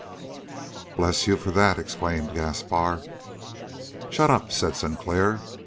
"Bless you for that!" exclaimed Gaspar. "Shut up!" said Sinclair.